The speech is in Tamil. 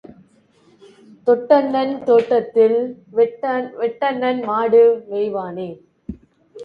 தொட்டண்ணன் தோட்டத்தில் வெட்டண்ணன் மாடு மேய்வானேன்?